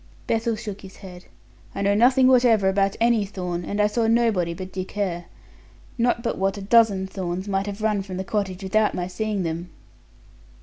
Bethel shook his head. "I know nothing whatever about any Thorn, and I saw nobody but Dick Hare. Not but what a dozen Thorns might have run from the cottage without my seeing them."